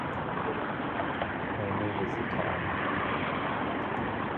Olney is a town.